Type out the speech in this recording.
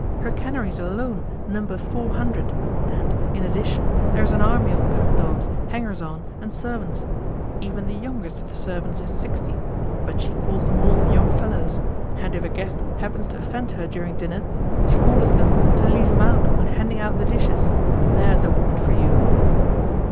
Her canaries alone number four hundred, and, in addition, there is an army of pug dogs, hangers on, and servants. Even the youngest of the servants is sixty, but she calls them all 'young fellows,' and if a guest happens to offend her during dinner, she orders them to leave him out when handing out the dishes. THERE'S a woman for you!"